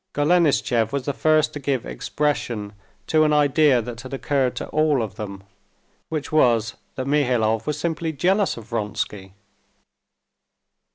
Golenishtchev was the first to give expression to an idea that had occurred to all of them, which was that Mihailov was simply jealous of Vronsky.